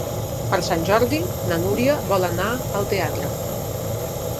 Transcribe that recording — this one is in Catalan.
Per Sant Jordi na Núria vol anar al teatre.